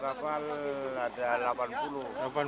kapal ada delapan puluh